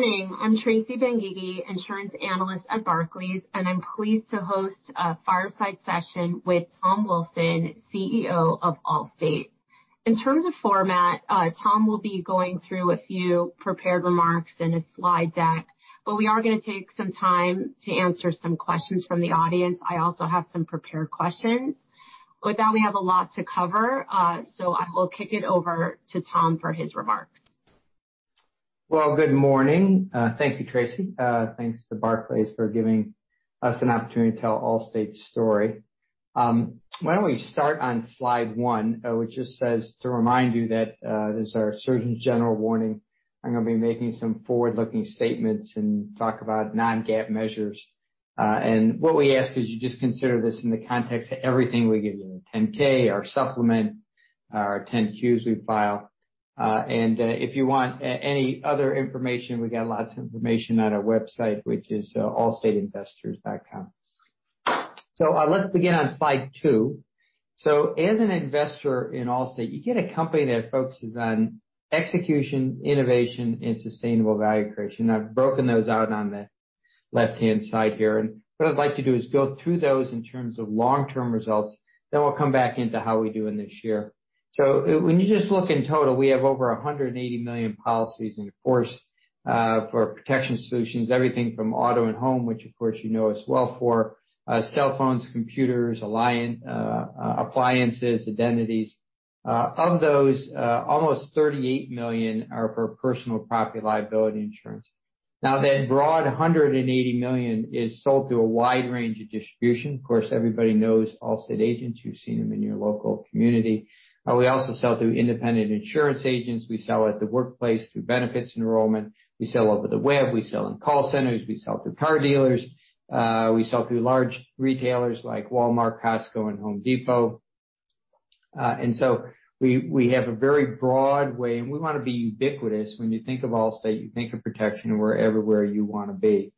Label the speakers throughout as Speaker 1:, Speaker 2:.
Speaker 1: Good morning. I'm Tracy Benguigui, Insurance Analyst at Barclays, and I'm pleased to host a fireside session with Tom Wilson, CEO of Allstate. In terms of format, Tom will be going through a few prepared remarks and a slide deck. We are going to take some time to answer some questions from the audience. I also have some prepared questions. With that, we have a lot to cover, so I will kick it over to Tom for his remarks.
Speaker 2: Well, good morning. Thank you, Tracy. Thanks to Barclays for giving us an opportunity to tell Allstate's story. Why don't we start on slide one, which just says to remind you that there's our surgeon general warning. I'm going to be making some forward-looking statements and talk about non-GAAP measures. What we ask is you just consider this in the context of everything we give you, our 10-K, our supplement, our 10-Qs we file. If you want any other information, we got lots of information on our website, which is allstateinvestors.com. Let's begin on slide two. As an investor in Allstate, you get a company that focuses on execution, innovation, and sustainable value creation. I've broken those out on the left-hand side here, and what I'd like to do is go through those in terms of long-term results. We'll come back into how we're doing this year. When you just look in total, we have over 180 million policies and, of course, for protection solutions, everything from auto and home, which of course, you know as well, for cell phones, computers, appliances, identities. Of those, almost 38 million are for personal property liability insurance. Now, that broad 180 million is sold through a wide range of distribution. Of course, everybody knows Allstate agents. You've seen them in your local community. We also sell through independent insurance agents. We sell at the workplace through benefits enrollment. We sell over the web. We sell in call centers. We sell through car dealers. We sell through large retailers like Walmart, Costco, and Home Depot. We have a very broad way, and we want to be ubiquitous. When you think of Allstate, you think of protection and we're everywhere you want to be.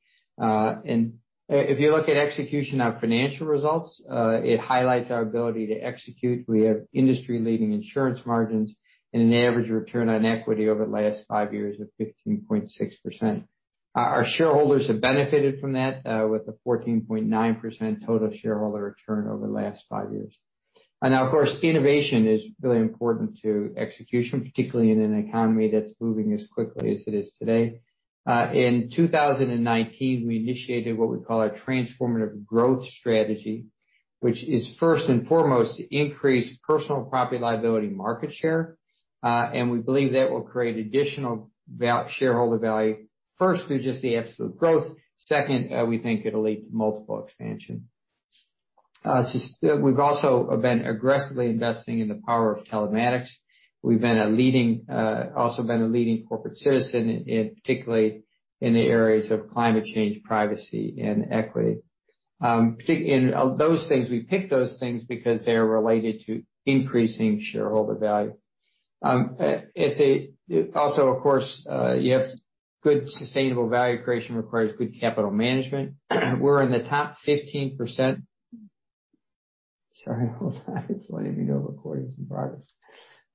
Speaker 2: If you look at execution, our financial results, it highlights our ability to execute. We have industry-leading insurance margins and an average return on equity over the last five years of 15.6%. Our shareholders have benefited from that, with a 14.9% total shareholder return over the last five years. Now, of course, innovation is really important to execution, particularly in an economy that's moving as quickly as it is today. In 2019, we initiated what we call our Transformative Growth strategy, which is first and foremost, increase personal property liability market share. We believe that will create additional shareholder value, first through just the absolute growth, second, we think it'll lead to multiple expansion. We've also been aggressively investing in the power of telematics. We've also been a leading corporate citizen, particularly in the areas of climate change, privacy, and equity. We picked those things because they're related to increasing shareholder value. Of course, you have good sustainable value creation requires good capital management. We're in the top 15%. Sorry, hold on. Just letting you know recording's in progress.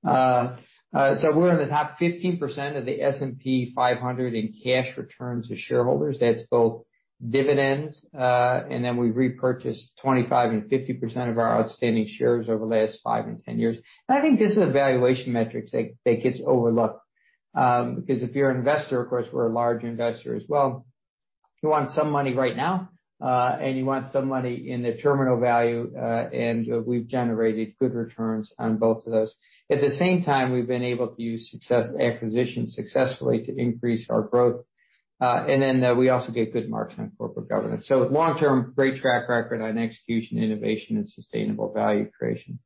Speaker 2: We're in the top 15% of the S&P 500 in cash returns to shareholders. That's both dividends, and then we repurchased 25% and 50% of our outstanding shares over the last five and 10 years. I think this is a valuation metric that gets overlooked. Because if you're an investor, of course, we're a large investor as well, you want some money right now, and you want some money in the terminal value, and we've generated good returns on both of those. At the same time, we've been able to use acquisitions successfully to increase our growth. We also get good marks on corporate governance. Long-term, great track record on execution, innovation, and sustainable value creation.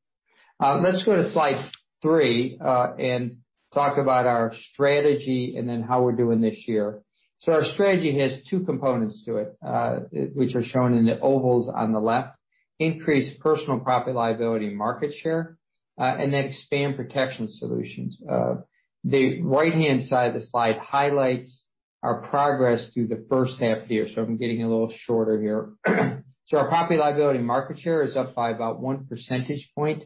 Speaker 2: Let's go to slide three, and talk about our strategy and then how we're doing this year. Our strategy has two components to it, which are shown in the ovals on the left, increase personal property liability market share, and then expand protection solutions. The right-hand side of the slide highlights our progress through the first half of the year, I'm getting a little shorter here. Our property liability market share is up by about one percentage point,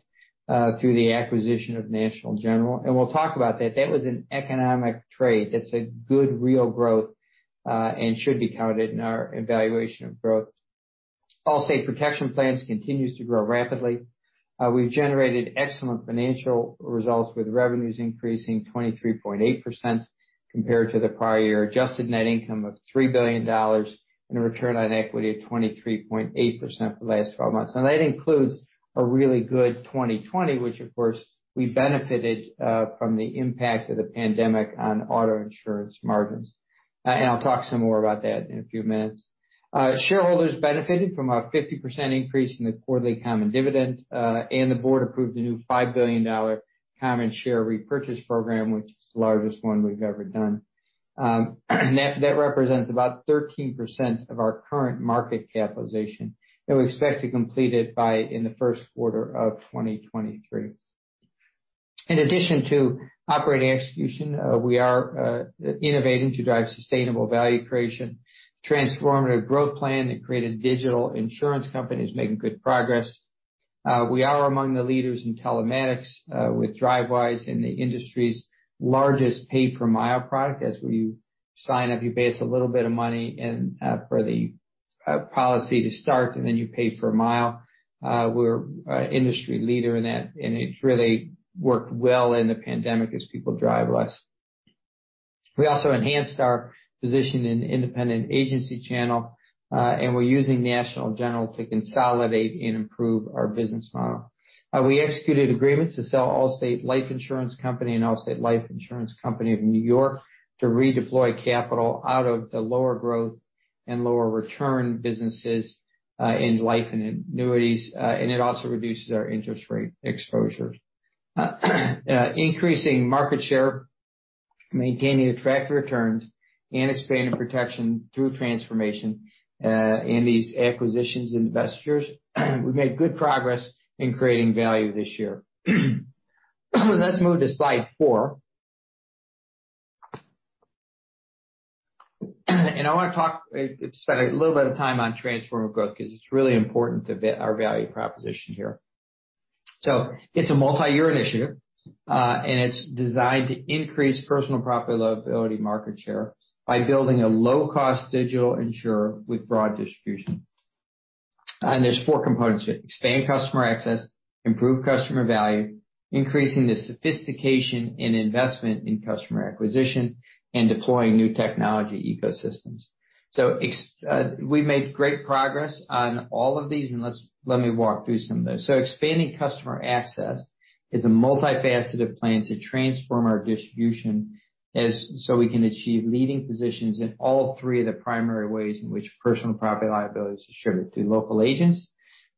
Speaker 2: through the acquisition of National General, and we'll talk about that. That was an economic trade. That's a good real growth, and should be counted in our evaluation of growth. Allstate Protection Plans continues to grow rapidly. We've generated excellent financial results with revenues increasing 23.8% compared to the prior year adjusted net income of $3 billion and a return on equity of 23.8% for the last 12 months. That includes a really good 2020, which of course, we benefited from the impact of the pandemic on auto insurance margins. I'll talk some more about that in a few minutes. Shareholders benefited from a 50% increase in the quarterly common dividend. The board approved a new $5 billion common share repurchase program, which is the largest one we've ever done. That represents about 13% of our current market capitalization, and we expect to complete it in the first quarter of 2023. In addition to operating execution, we are innovating to drive sustainable value creation. Transformative Growth plan that created digital insurance company is making good progress. We are among the leaders in telematics with Drivewise in the industry's largest pay-per-mile product. That's where you sign up, you pay us a little bit of money for the policy to start, and then you pay per mile. We're an industry leader in that, and it's really worked well in the pandemic as people drive less. We also enhanced our position in independent agency channel, and we're using National General to consolidate and improve our business model. We executed agreements to sell Allstate Life Insurance Company and Allstate Life Insurance Company of New York to redeploy capital out of the lower growth and lower return businesses in life and annuities. It also reduces our interest rate exposure. Increasing market share, maintaining attractive returns, and expanding protection through transformation in these acquisitions and investors, we made good progress in creating value this year. Let's move to slide four. I want to spend a little bit of time on Transformative Growth because it's really important to our value proposition here. It's a multi-year initiative, and it's designed to increase personal property liability market share by building a low-cost digital insurer with broad distribution. There's four components to it: expand customer access, improve customer value, increasing the sophistication in investment in customer acquisition, and deploying new technology ecosystems. We made great progress on all of these, and let me walk through some of those. Expanding customer access is a multifaceted plan to transform our distribution so we can achieve leading positions in all three of the primary ways in which personal property liabilities are shared, through local agents,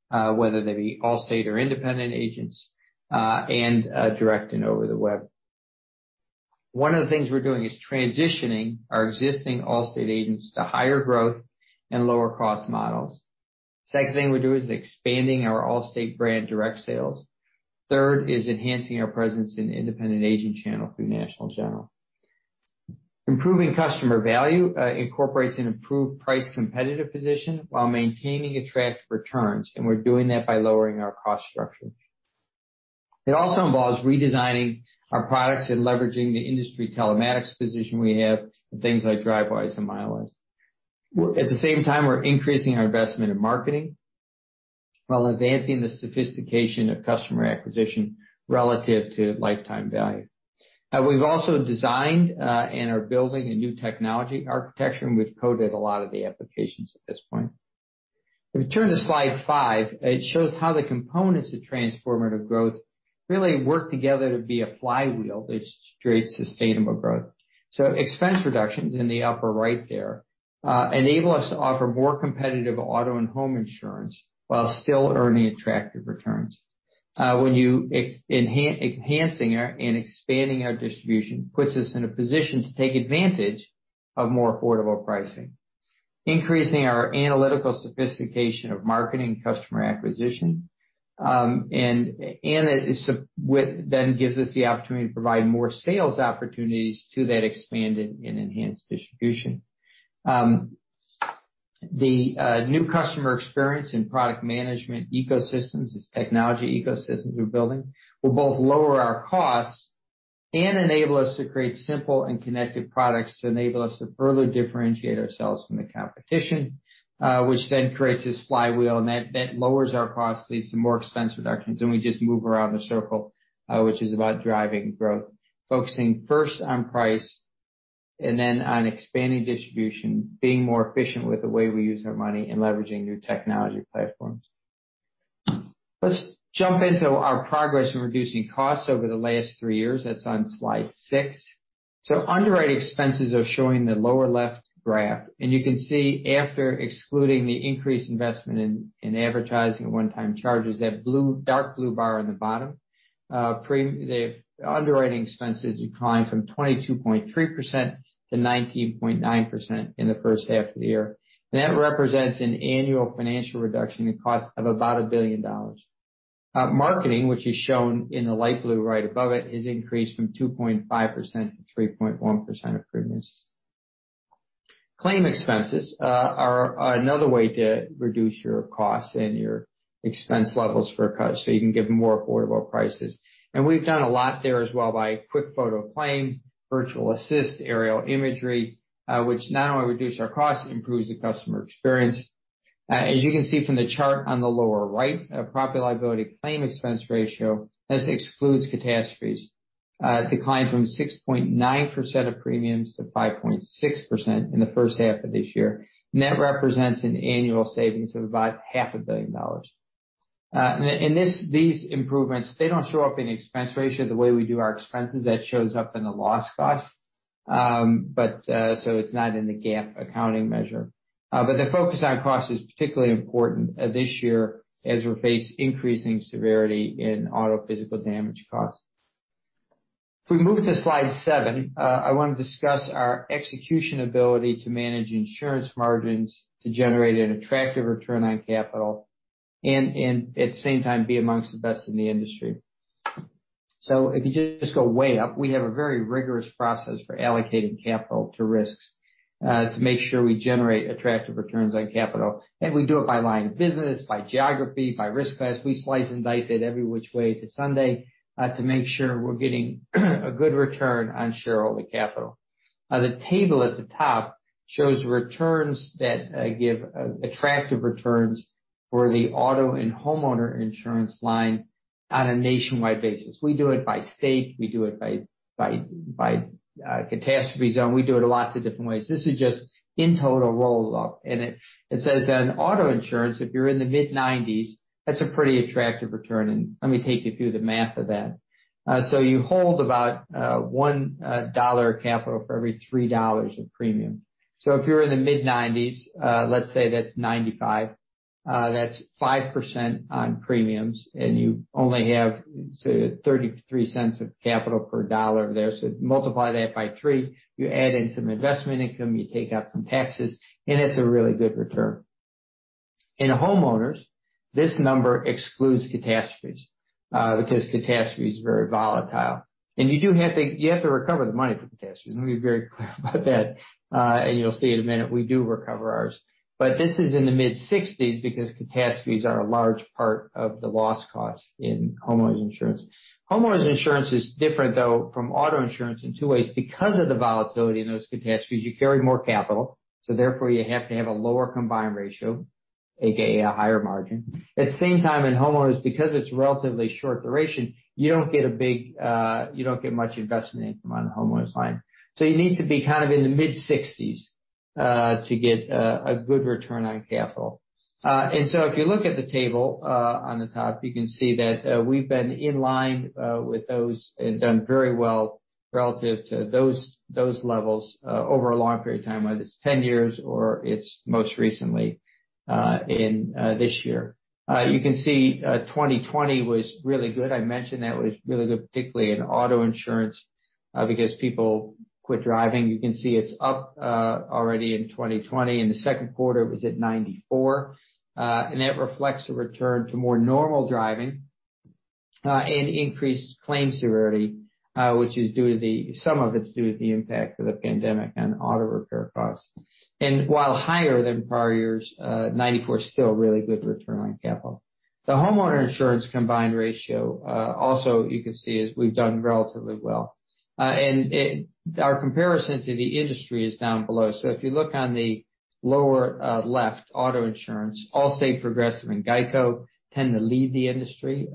Speaker 2: whether they be Allstate or independent agents, and direct and over the web. One of the things we're doing is transitioning our existing Allstate agents to higher growth and lower cost models. Second thing we do is expanding our Allstate brand direct sales. Third is enhancing our presence in independent agent channel through National General. Improving customer value incorporates an improved price competitive position while maintaining attractive returns, and we're doing that by lowering our cost structure. It also involves redesigning our products and leveraging the industry telematics position we have and things like Drivewise and Milewise. At the same time, we're increasing our investment in marketing while advancing the sophistication of customer acquisition relative to lifetime value. We've also designed and are building a new technology architecture, and we've coded a lot of the applications at this point. If we turn to slide five, it shows how the components of Transformative Growth really work together to be a flywheel that creates sustainable growth. Expense reductions in the upper right there, enable us to offer more competitive auto and home insurance while still earning attractive returns. Enhancing and expanding our distribution puts us in a position to take advantage of more affordable pricing, increasing our analytical sophistication of marketing customer acquisition, and it then gives us the opportunity to provide more sales opportunities to that expanded and enhanced distribution. The new customer experience in product management ecosystems, this technology ecosystems we're building, will both lower our costs and enable us to create simple and connected products to enable us to further differentiate ourselves from the competition, which then creates this flywheel, and that lowers our costs, leads to more expense reductions, and we just move around in a circle, which is about driving growth, focusing first on price and then on expanding distribution, being more efficient with the way we use our money, and leveraging new technology platforms. Let's jump into our progress in reducing costs over the last three years. That's on slide six. Underwrite expenses are showing in the lower-left graph, and you can see after excluding the increased investment in advertising and one-time charges, that dark blue bar on the bottom, the underwriting expenses declined from 22.3% to 19.9% in the first half of the year. That represents an annual financial reduction in cost of about $1 billion. Marketing, which is shown in the light blue right above it, is increased from 2.5% to 3.1% of premiums. Claim expenses are another way to reduce your costs and your expense levels for a cut, so you can give more affordable prices. We've done a lot there as well by QuickFoto Claim, Virtual Assist, aerial imagery, which not only reduce our cost, it improves the customer experience. As you can see from the chart on the lower right, property liability claim expense ratio, this excludes catastrophes, declined from 6.9% of premiums to 5.6% in the first half of this year. That represents an annual savings of about half a billion dollars. These improvements, they don't show up in expense ratio the way we do our expenses. That shows up in the loss costs. It's not in the GAAP accounting measure. The focus on cost is particularly important this year as we face increasing severity in auto physical damage costs. We move to slide seven, I want to discuss our execution ability to manage insurance margins to generate an attractive return on capital and at the same time, be amongst the best in the industry. If you just go way up, we have a very rigorous process for allocating capital to risks, to make sure we generate attractive returns on capital. We do it by line of business, by geography, by risk class. We slice and dice it every which way to Sunday to make sure we're getting a good return on shareholder capital. The table at the top shows returns that give attractive returns for the auto and home insurance line on a nationwide basis. We do it by state, we do it by catastrophe zone. We do it lots of different ways. This is just in total roll up, it says on auto insurance, if you're in the mid-90s, that's a pretty attractive return, let me take you through the math of that. You hold about $1 of capital for every $3 of premium. If you're in the mid-90s, let's say that's 95, that's 5% on premiums, you only have $0.33 of capital per dollar there. Multiply that by three, you add in some investment income, you take out some taxes, it's a really good return. In homeowners, this number excludes catastrophes, because catastrophe is very volatile. You have to recover the money for catastrophes. Let me be very clear about that. You'll see in a minute, we do recover ours. This is in the mid-60s because catastrophes are a large part of the loss costs in home insurance. Home insurance is different, though, from auto insurance in two ways. Because of the volatility in those catastrophes, you carry more capital, therefore, you have to have a lower combined ratio, aka a higher margin. At the same time, in homeowners, because it is relatively short duration, you don't get much investment income on the homeowners line. You need to be kind of in the mid-60s, to get a good return on capital. If you look at the table on the top, you can see that we've been in line with those and done very well relative to those levels over a long period of time, whether it is 10 years or it is most recently, in this year. You can see 2020 was really good. I mentioned that was really good, particularly in auto insurance, because people quit driving. You can see it is up already in 2020. In the second quarter it was at 94, that reflects a return to more normal driving, and increased claims severity, some of it is due to the impact of the pandemic and auto repair costs. While higher than prior years, 94 is still a really good return on capital. The home insurance combined ratio, also, you can see is we've done relatively well. Our comparison to the industry is down below. If you look on the lower left, auto insurance, Allstate, Progressive, and GEICO tend to lead the industry.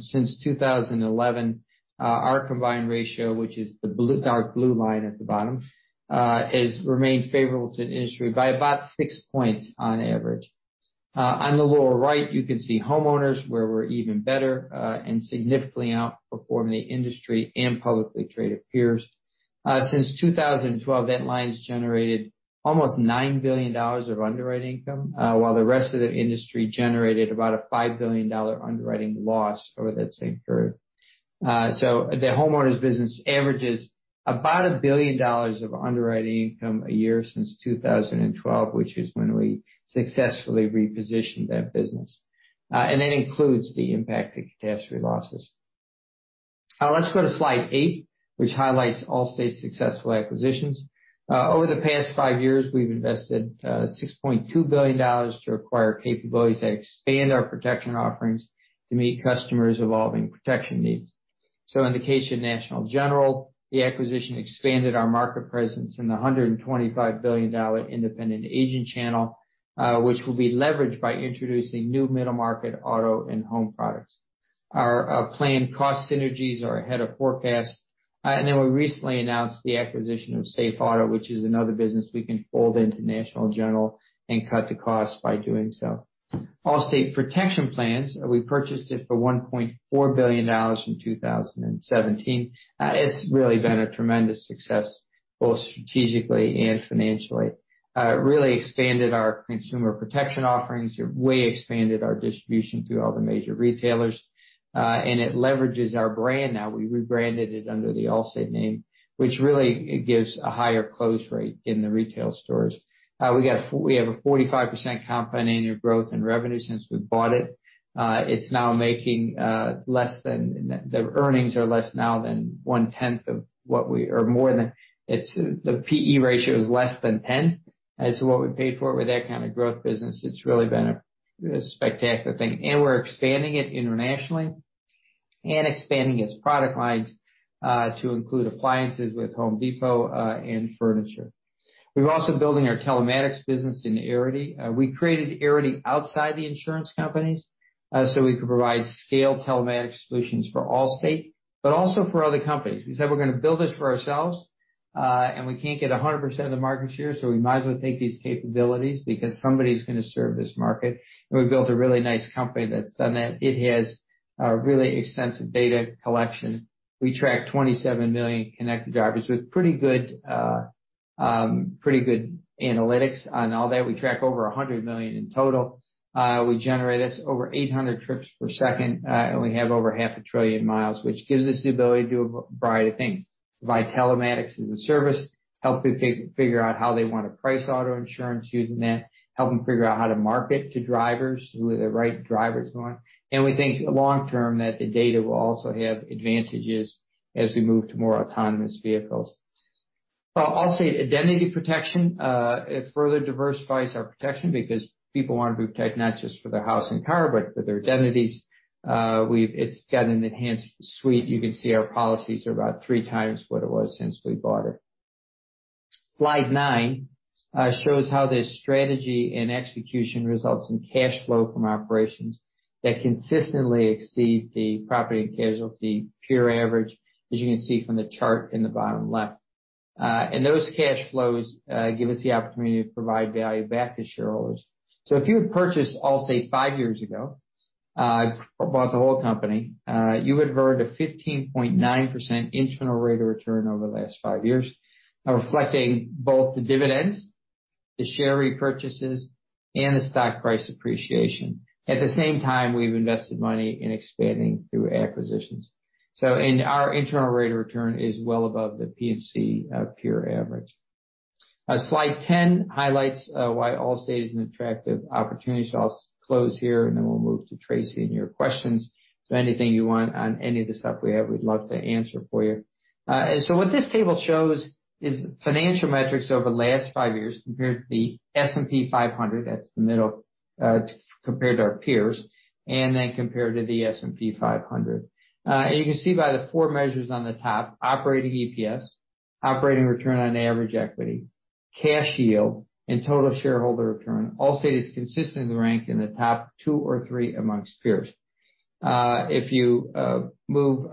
Speaker 2: Since 2011, our combined ratio, which is the dark blue line at the bottom, has remained favorable to the industry by about 6 points on average. On the lower right, you can see homeowners where we're even better, and significantly outperforming the industry and publicly traded peers. Since 2012, that line's generated almost $9 billion of underwriting income, while the rest of the industry generated about a $5 billion underwriting loss over that same period. The homeowners business averages about $1 billion of underwriting income a year since 2012, which is when we successfully repositioned that business. That includes the impact of catastrophe losses. Let's go to slide eight, which highlights Allstate's successful acquisitions. Over the past five years, we've invested $6.2 billion to acquire capabilities that expand our protection offerings to meet customers' evolving protection needs. In the case of National General, the acquisition expanded our market presence in the $125 billion independent agent channel, which will be leveraged by introducing new middle market auto and home products. Our planned cost synergies are ahead of forecast. We recently announced the acquisition of SafeAuto, which is another business we can fold into National General and cut the cost by doing so. Allstate Protection Plans, we purchased it for $1.4 billion in 2017. It's really been a tremendous success, both strategically and financially. Really expanded our consumer protection offerings. We expanded our distribution through all the major retailers. It leverages our brand now. We rebranded it under the Allstate name, which really gives a higher close rate in the retail stores. We have a 45% compound annual growth in revenue since we've bought it. The earnings are less now than The P/E ratio is less than 10 as to what we paid for it with that kind of growth business. It's really been a spectacular thing. We're expanding it internationally and expanding its product lines, to include appliances with Home Depot, and furniture. We're also building our telematics business in Arity. We created Arity outside the insurance companies, so we could provide scaled telematics solutions for Allstate, but also for other companies. We said we're going to build this for ourselves. We can't get 100% of the market share, so we might as well take these capabilities because somebody's going to serve this market. We've built a really nice company that's done that. It has a really extensive data collection. We track 27 million connected drivers with pretty good analytics on all that. We track over 100 million in total. We generate over 800 trips per second, and we have over half a trillion miles, which gives us the ability to do a variety of things. Provide telematics as a service, help people figure out how they want to price auto insurance using that, help them figure out how to market to drivers, who are the right drivers going. We think long term that the data will also have advantages as we move to more autonomous vehicles. I'll say identity protection. It further diversifies our protection because people want to be protected not just for their house and car, but for their identities. It's got an enhanced suite. You can see our policies are about three times what it was since we bought it. Slide nine shows how this strategy and execution results in cash flow from operations that consistently exceed the property and casualty peer average, as you can see from the chart in the bottom left. Those cash flows give us the opportunity to provide value back to shareholders. If you had purchased Allstate five years ago, or bought the whole company, you would've earned a 15.9% internal rate of return over the last five years, reflecting both the dividends, the share repurchases, and the stock price appreciation. At the same time, we've invested money in expanding through acquisitions. Our internal rate of return is well above the P&C peer average. Slide 10 highlights why Allstate is an attractive opportunity. I'll close here and then we'll move to Tracy and your questions. Anything you want on any of the stuff we have, we'd love to answer for you. What this table shows is financial metrics over the last five years compared to the S&P 500, that's the middle, compared to our peers, and then compared to the S&P 500. You can see by the four measures on the top, operating EPS, operating return on average equity, cash yield, and total shareholder return, Allstate is consistently ranked in the top two or three amongst peers. If you move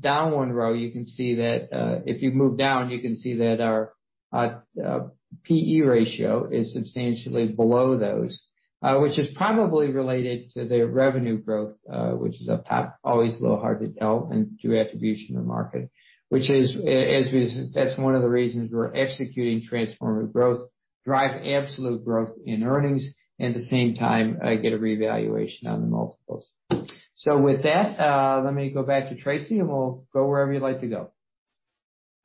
Speaker 2: down one row, you can see that our P/E ratio is substantially below those, which is probably related to the revenue growth, which is up top, always a little hard to tell and do attribution or market, which that's one of the reasons we're executing Transformative Growth, drive absolute growth in earnings, at the same time, get a revaluation on the multiples. With that, let me go back to Tracy, and we'll go wherever you'd like to go.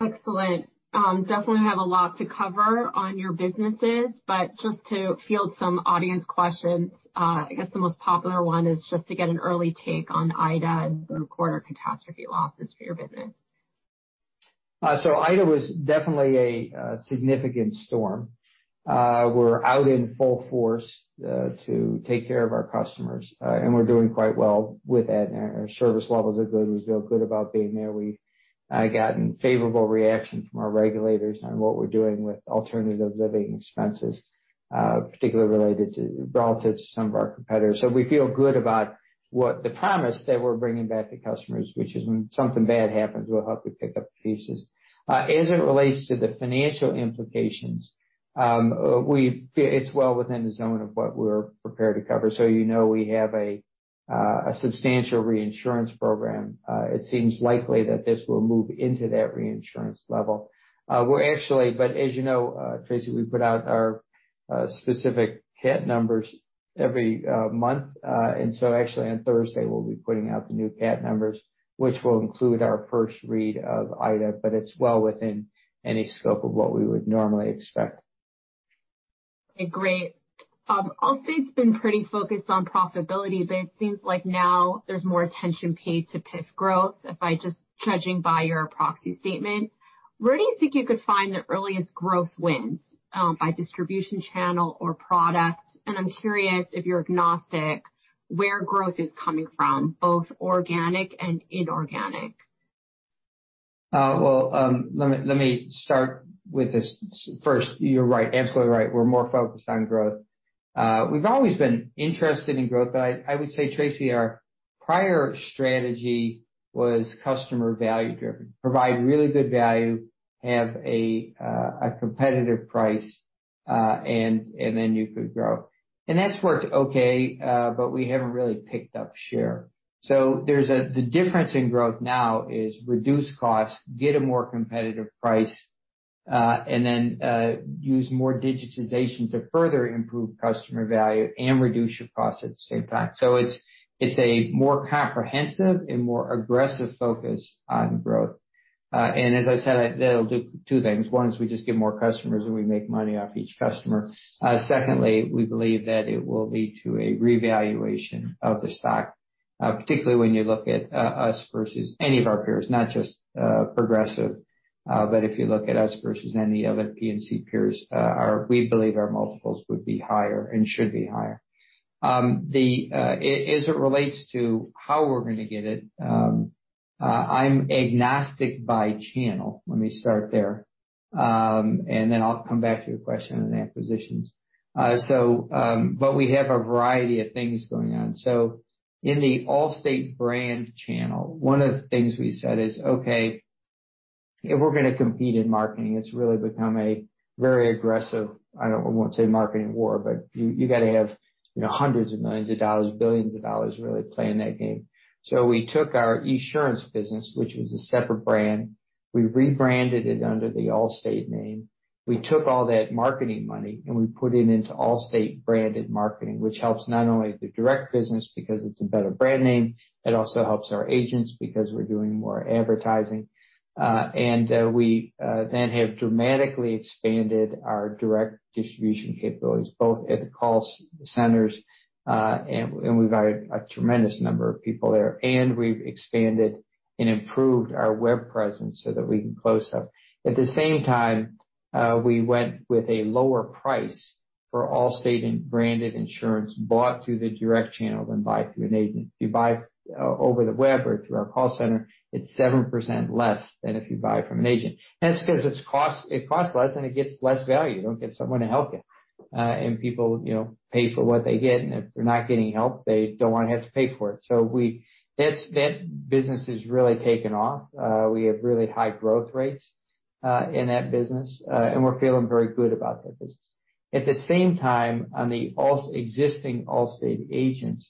Speaker 1: Excellent. Definitely have a lot to cover on your businesses, but just to field some audience questions, I guess the most popular one is just to get an early take on Ida and third quarter catastrophe losses for your business.
Speaker 2: Ida was definitely a significant storm. We're out in full force to take care of our customers, and we're doing quite well with that, and our service levels are good. We feel good about being there. We've gotten favorable reactions from our regulators on what we're doing with alternative living expenses, particularly relative to some of our competitors. We feel good about what the promise that we're bringing back to customers, which is when something bad happens, we'll help you pick up the pieces. As it relates to the financial implications, it's well within the zone of what we're prepared to cover. You know we have a substantial reinsurance program. It seems likely that this will move into that reinsurance level. As you know, Tracy, we put out our specific CAT numbers every month. Actually on Thursday, we'll be putting out the new CAT numbers, which will include our first read of Ida, it's well within any scope of what we would normally expect.
Speaker 1: Okay, great. Allstate's been pretty focused on profitability, it seems like now there's more attention paid to PIF growth, if by just judging by your proxy statement. Where do you think you could find the earliest growth wins, by distribution channel or product? I'm curious if you're agnostic where growth is coming from, both organic and inorganic.
Speaker 2: Well, let me start with this first. You're right, absolutely right. We're more focused on growth. We've always been interested in growth. I would say, Tracy, our prior strategy was customer value driven, provide really good value, have a competitive price, and then you could grow. That's worked okay, but we haven't really picked up share. The difference in growth now is reduce costs, get a more competitive price, and then use more digitization to further improve customer value and reduce your costs at the same time. It's a more comprehensive and more aggressive focus on growth. As I said, that'll do two things. One is we just get more customers, and we make money off each customer. Secondly, we believe that it will lead to a revaluation of the stock, particularly when you look at us versus any of our peers, not just Progressive. If you look at us versus any other P&C peers, we believe our multiples would be higher and should be higher. As it relates to how we're going to get it, I'm agnostic by channel. Let me start there, and then I'll come back to your question on acquisitions. We have a variety of things going on. In the Allstate brand channel, one of the things we said is, okay, if we're going to compete in marketing, it's really become a very aggressive, I won't say marketing war, but you got to have $hundreds of millions, $billions, to really play in that game. We took our Esurance business, which was a separate brand. We rebranded it under the Allstate name. We took all that marketing money and we put it into Allstate branded marketing, which helps not only the direct business because it's a better brand name, it also helps our agents because we're doing more advertising. We then have dramatically expanded our direct distribution capabilities, both at the call centers, and we've hired a tremendous number of people there, and we've expanded and improved our web presence so that we can close up. At the same time, we went with a lower price for Allstate branded insurance bought through the direct channel than buy through an agent. If you buy over the web or through our call center, it's 7% less than if you buy from an agent. It's because it costs less and it gets less value. You don't get someone to help you. People pay for what they get, and if they're not getting help, they don't want to have to pay for it. That business has really taken off. We have really high growth rates in that business. We're feeling very good about that business. At the same time, on the existing Allstate agents,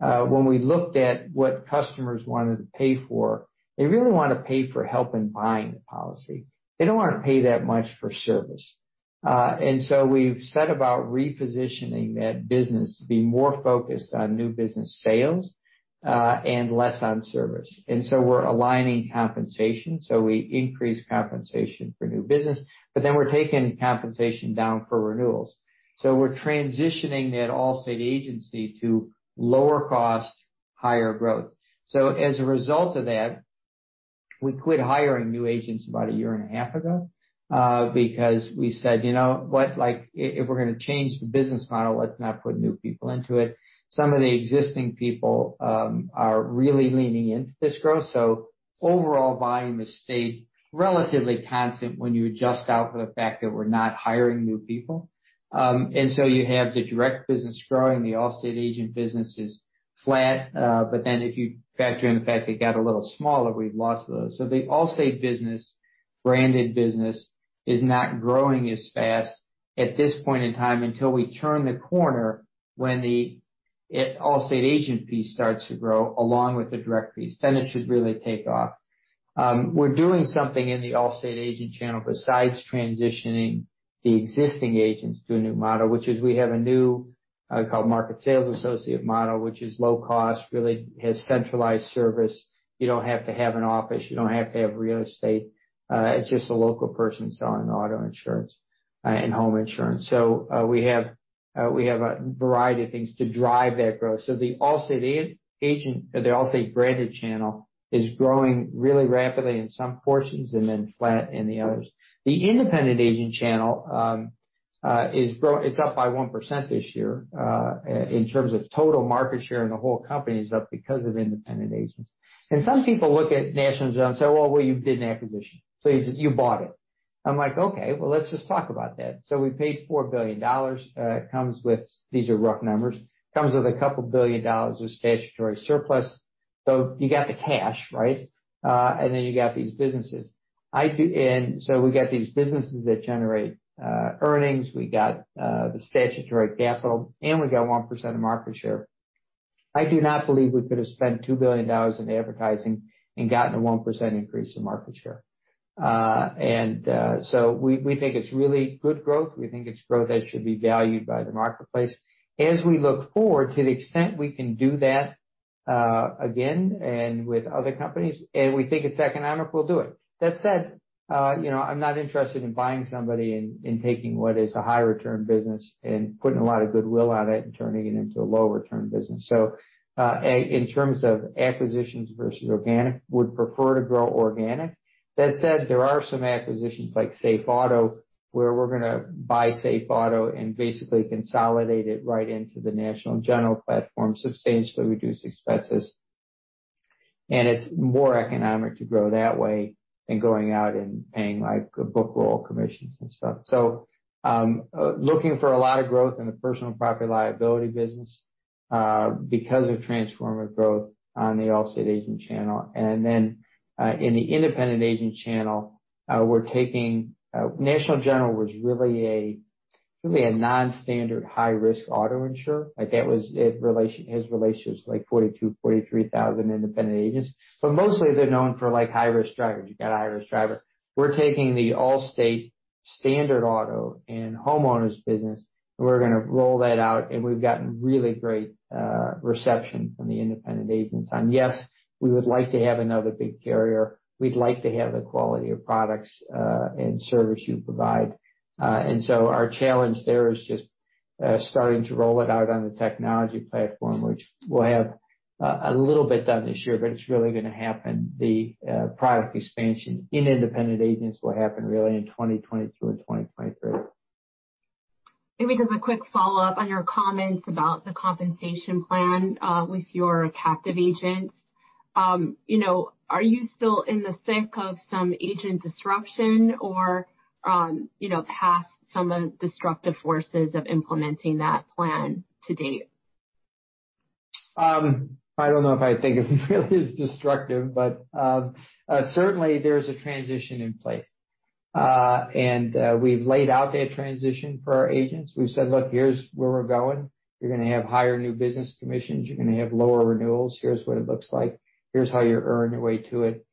Speaker 2: when we looked at what customers wanted to pay for, they really want to pay for help in buying the policy. They don't want to pay that much for service. We've set about repositioning that business to be more focused on new business sales, and less on service. We're aligning compensation, so we increase compensation for new business, but then we're taking compensation down for renewals. We're transitioning that Allstate agency to lower cost, higher growth. As a result of that, we quit hiring new agents about a year and a half ago, because we said, "If we're going to change the business model, let's not put new people into it." Some of the existing people are really leaning into this growth. Overall volume has stayed relatively constant when you adjust out for the fact that we're not hiring new people. You have the direct business growing, the Allstate agent business is flat. If you factor in the fact it got a little smaller, we've lost those. The Allstate business, branded business, is not growing as fast at this point in time until we turn the corner when the Allstate agent piece starts to grow along with the direct piece, then it should really take off. We're doing something in the Allstate agent channel besides transitioning the existing agents to a new model, which is we have a new, called Market Sales Associate model, which is low cost, really has centralized service. You don't have to have an office, you don't have to have real estate. It's just a local person selling auto insurance and home insurance. We have a variety of things to drive that growth. The Allstate branded channel is growing really rapidly in some portions and then flat in the others. The independent agent channel is up by 1% this year. In terms of total market share in the whole company, is up because of independent agents. Some people look at National General and say, "Well, you did an acquisition, so you bought it." I'm like, "Okay, well, let's just talk about that." We paid $4 billion. These are rough numbers. Comes with a couple billion dollars of statutory surplus. You got the cash, right? You got these businesses. We got these businesses that generate earnings. We got the statutory capital, and we got 1% of market share. I do not believe we could have spent $2 billion in advertising and gotten a 1% increase in market share. We think it's really good growth. We think it's growth that should be valued by the marketplace. As we look forward, to the extent we can do that again and with other companies, and we think it's economic, we'll do it. That said, I'm not interested in buying somebody and taking what is a high return business and putting a lot of goodwill on it and turning it into a low return business. In terms of acquisitions versus organic, would prefer to grow organic. That said, there are some acquisitions like Safe Auto, where we're going to buy Safe Auto and basically consolidate it right into the National General platform, substantially reduce expenses. It's more economic to grow that way than going out and paying like book roll commissions and stuff. Looking for a lot of growth in the personal property liability business, because of Transformative Growth on the Allstate agent channel. In the independent agent channel, we're taking-- National General was really a non-standard high risk auto insurer. Like that was his relationship with like 42,000, 43,000 independent agents. But mostly they're known for like high-risk drivers. You got a high-risk driver. We're taking the Allstate standard auto and homeowners business, we're going to roll that out, and we've gotten really great reception from the independent agents on, yes, we would like to have another big carrier. We'd like to have the quality of products, and service you provide. Our challenge there is just starting to roll it out on the technology platform, which we'll have a little bit done this year, but it's really going to happen, the product expansion in independent agents will happen really in 2022 and 2023.
Speaker 1: Maybe just a quick follow-up on your comments about the compensation plan, with your captive agents. Are you still in the thick of some agent disruption or past some of the disruptive forces of implementing that plan to date?
Speaker 2: I don't know if I think it really is destructive, but certainly, there's a transition in place. We've laid out that transition for our agents. We've said, "Look, here's where we're going. You're going to have higher new business commissions. You're going to have lower renewals. Here's what it looks like. Here's how you earn your way to it."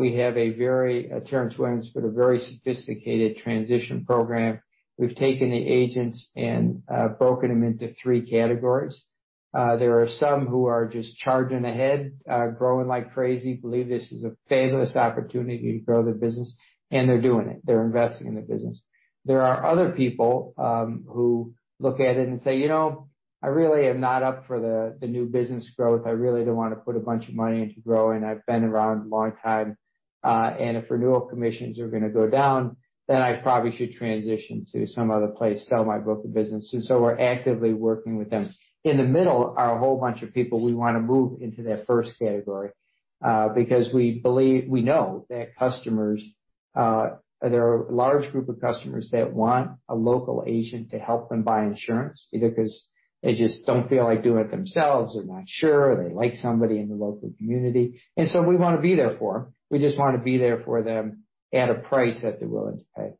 Speaker 2: We have a very, Terrance Williams put a very sophisticated transition program. We've taken the agents and broken them into 3 categories. There are some who are just charging ahead, growing like crazy, believe this is a fabulous opportunity to grow their business, and they're doing it. They're investing in their business. There are other people who look at it and say, "You know, I really am not up for the new business growth. I really don't want to put a bunch of money into growing. I've been around a long time, and if renewal commissions are going to go down, then I probably should transition to some other place, sell my book of business." We're actively working with them. In the middle are a whole bunch of people we want to move into that first category, because we know that there are a large group of customers that want a local agent to help them buy insurance, either because they just don't feel like doing it themselves, they're not sure, or they like somebody in the local community. We want to be there for them. We just want to be there for them at a price that they're willing to pay.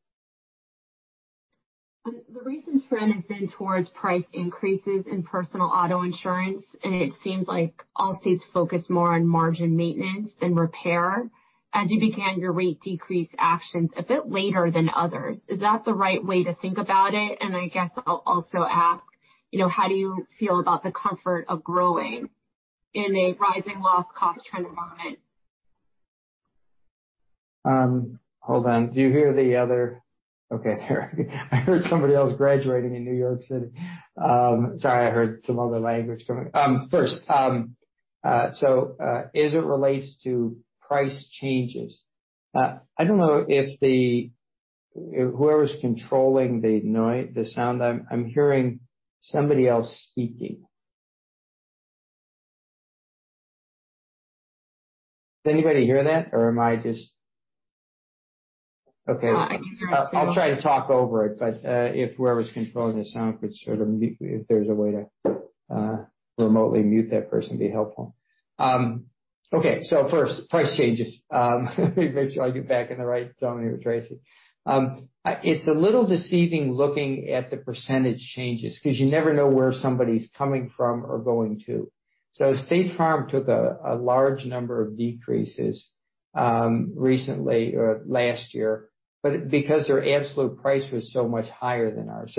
Speaker 1: The recent trend has been towards price increases in personal auto insurance, and it seems like Allstate's focused more on margin maintenance than repair, as you began your rate decrease actions a bit later than others. Is that the right way to think about it? And I guess I'll also ask, how do you feel about the comfort of growing in a rising loss cost trend environment?
Speaker 2: Hold on. Do you hear the other Okay. I heard somebody else graduating in New York City. Sorry, I heard some other language coming. First, as it relates to price changes, I don't know if whoever's controlling the sound, I'm hearing somebody else speaking. Does anybody hear that or am I just-- Okay.
Speaker 1: No, I can hear it too.
Speaker 2: I'll try to talk over it, if whoever's controlling the sound could sort of, if there's a way to remotely mute that person, it'd be helpful. First, price changes. Make sure I get back in the right zone here, Tracy. It's a little deceiving looking at the percentage changes, because you never know where somebody's coming from or going to. State Farm took a large number of decreases recently or last year, because their absolute price was so much higher than ours.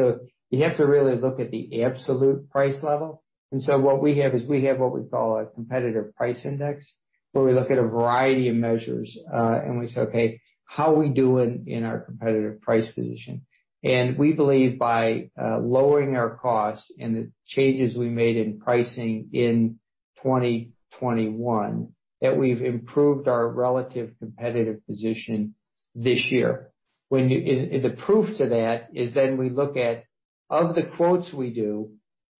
Speaker 2: You have to really look at the absolute price level. What we have is we have what we call a competitive price index, where we look at a variety of measures and we say, okay, how are we doing in our competitive price position? We believe by lowering our costs and the changes we made in pricing in 2021, that we've improved our relative competitive position this year. The proof to that is we look at of the quotes we do,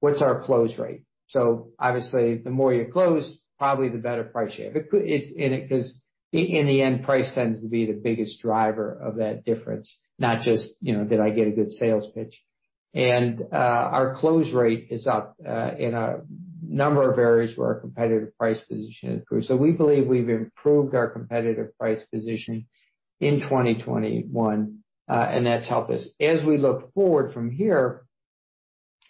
Speaker 2: what's our close rate? Obviously, the more you close, probably the better price share. Because in the end, price tends to be the biggest driver of that difference, not just, did I get a good sales pitch? Our close rate is up in a number of areas where our competitive price position improved. We believe we've improved our competitive price position in 2021, and that's helped us. As we look forward from here,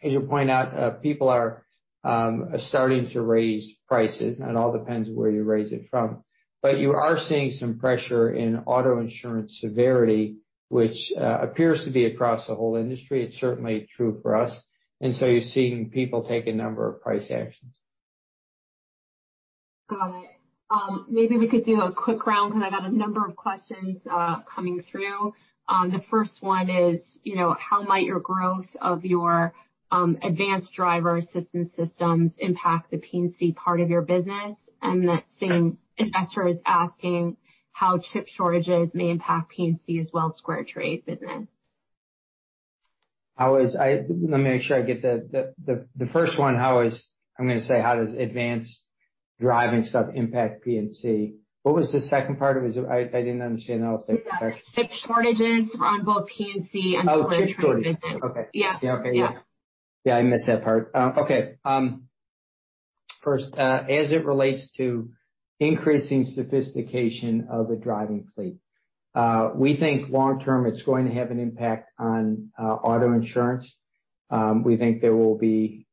Speaker 2: as you point out, people are starting to raise prices. It all depends where you raise it from. You are seeing some pressure in auto insurance severity, which appears to be across the whole industry. It's certainly true for us. You're seeing people take a number of price actions.
Speaker 1: Got it. Maybe we could do a quick round because I got a number of questions coming through. The first one is, how might your growth of your advanced driver-assistance systems impact the P&C part of your business? That same investor is asking how chip shortages may impact P&C as well as SquareTrade business.
Speaker 2: Let me make sure I get the first one. I'm going to say, how does advanced driving stuff impact P&C? What was the second part of it? I didn't understand the other second part.
Speaker 1: Chip shortages on both P&C and SquareTrade business.
Speaker 2: Oh, chip shortages. Okay.
Speaker 1: Yeah.
Speaker 2: Okay. Yeah. I missed that part. Okay. First, as it relates to increasing sophistication of the driving fleet. We think long term, it's going to have an impact on auto insurance. We think there will be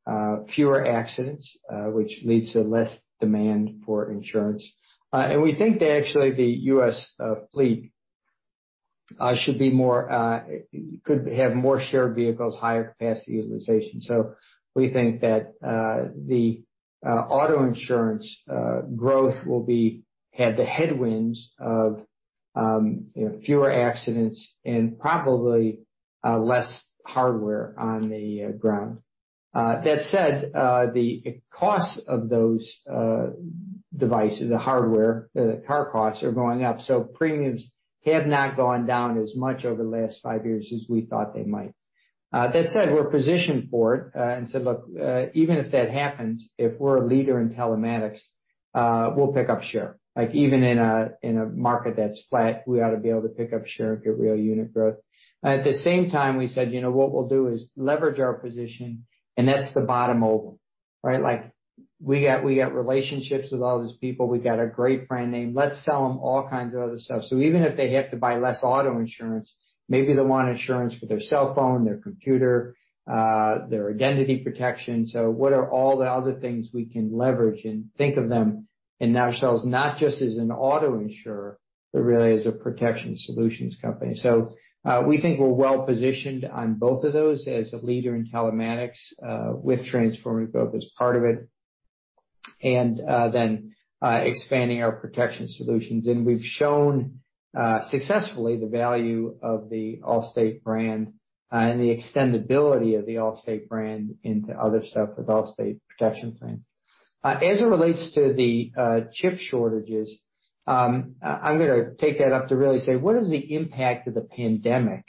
Speaker 2: fewer accidents, which leads to less demand for insurance. We think that actually the U.S. fleet could have more shared vehicles, higher capacity utilization. We think that the auto insurance growth will have the headwinds of fewer accidents and probably less hardware on the ground. That said, the cost of those devices, the hardware, the car costs are going up, so premiums have not gone down as much over the last five years as we thought they might. That said, we're positioned for it and said, look, even if that happens, if we're a leader in telematics, we'll pick up share. Even in a market that's flat, we ought to be able to pick up share and get real unit growth. At the same time, we said what we'll do is leverage our position, and that's the bottom mobile. Right? We got relationships with all these people. We've got a great brand name. Let's sell them all kinds of other stuff. Even if they have to buy less auto insurance, maybe they'll want insurance for their cell phone, their computer, their identity protection. What are all the other things we can leverage and think of them in ourselves, not just as an auto insurer, but really as a protection solutions company. We think we're well-positioned on both of those as a leader in telematics, with Transformative Growth as part of it, and then expanding our protection solutions. We've shown successfully the value of the Allstate brand and the extendibility of the Allstate brand into other stuff with Allstate Protection Plans. As it relates to the chip shortages, I'm going to take that up to really say, what is the impact of the pandemic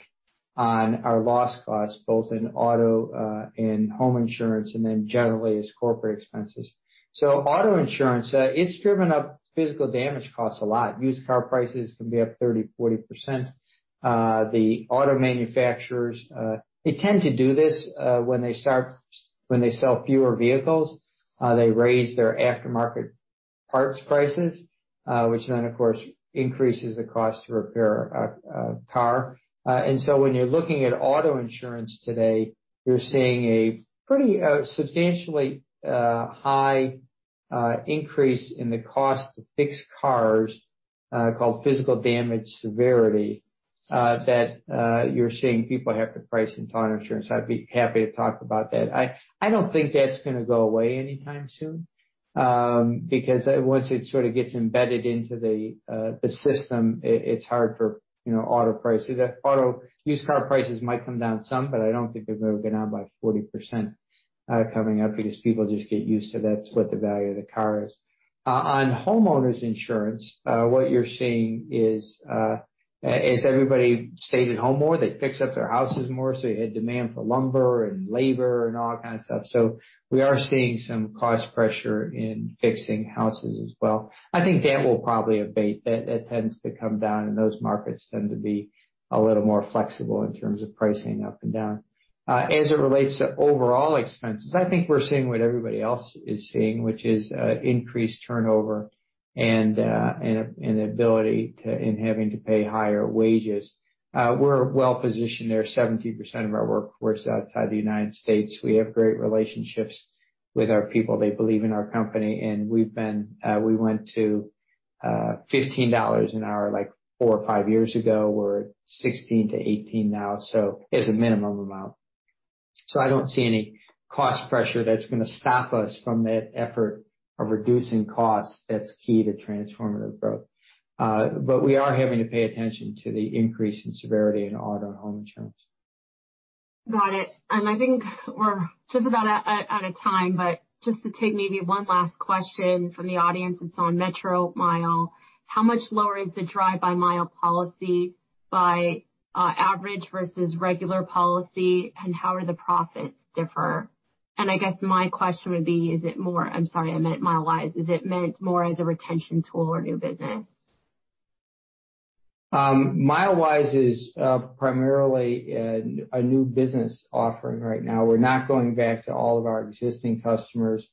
Speaker 2: on our loss costs, both in auto and home insurance, and then generally as corporate expenses. Auto insurance, it's driven up physical damage costs a lot. Used car prices can be up 30%, 40%. The auto manufacturers, they tend to do this when they sell fewer vehicles. They raise their aftermarket parts prices, which then, of course, increases the cost to repair a car. When you're looking at auto insurance today, you're seeing a pretty substantially high increase in the cost to fix cars, called physical damage severity, that you're seeing people have to price into auto insurance. I'd be happy to talk about that. I don't think that's going to go away anytime soon, because once it sort of gets embedded into the system, it's hard for auto prices. Used car prices might come down some, I don't think they're going to get down by 40% coming up because people just get used to that's what the value of the car is. On homeowners insurance, what you're seeing is everybody stayed at home more. They fixed up their houses more. You had demand for lumber and labor and all kind of stuff. We are seeing some cost pressure in fixing houses as well. I think that will probably abate. That tends to come down, those markets tend to be a little more flexible in terms of pricing up and down. As it relates to overall expenses, I think we're seeing what everybody else is seeing, which is increased turnover and the ability in having to pay higher wages. We're well-positioned there. 70% of our workforce is outside the U.S. We have great relationships with our people. They believe in our company, we went to $15 an hour, like four or five years ago. We're at $16 to $18 now as a minimum amount. I don't see any cost pressure that's going to stop us from that effort of reducing costs that's key to Transformative Growth. We are having to pay attention to the increase in severity in auto and home insurance.
Speaker 1: Got it. I think we're just about out of time, but just to take maybe one last question from the audience. It's on Metromile. How much lower is the drive-by-mile policy by average versus regular policy, and how are the profits differ? I guess my question would be, is it more, I'm sorry, I meant Milewise. Is it meant more as a retention tool or new business?
Speaker 2: Milewise is primarily a new business offering right now. We're not going back to all of our existing customers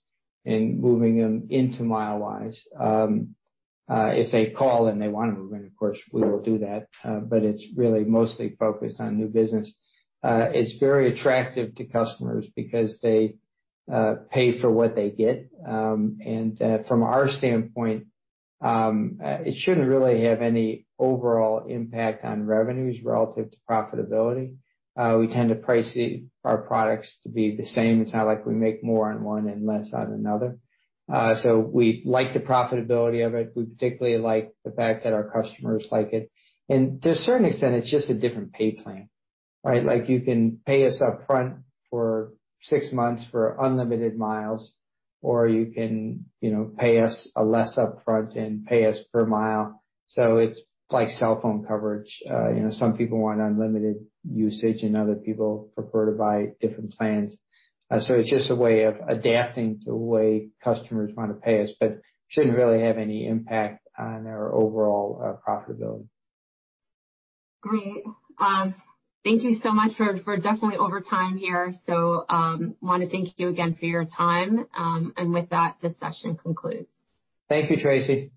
Speaker 2: and moving them into Milewise. If they call and they want to move in, of course, we will do that. It's really mostly focused on new business. It's very attractive to customers because they pay for what they get. From our standpoint, it shouldn't really have any overall impact on revenues relative to profitability. We tend to price our products to be the same. It's not like we make more on one and less on another. We like the profitability of it. We particularly like the fact that our customers like it. To a certain extent, it's just a different pay plan. You can pay us upfront for six months for unlimited miles, or you can pay us less upfront and pay us per mile. It's like cell phone coverage. Some people want unlimited usage, and other people prefer to buy different plans. It's just a way of adapting to the way customers want to pay us, but shouldn't really have any impact on our overall profitability.
Speaker 1: Great. Thank you so much. We're definitely over time here, so we want to thank you again for your time. With that, this session concludes.
Speaker 2: Thank you, Tracy.